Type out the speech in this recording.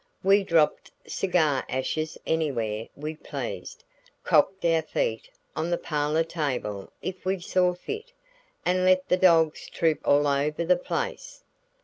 We dropped cigar ashes anywhere we pleased, cocked our feet on the parlor table if we saw fit, and let the dogs troop all over the place.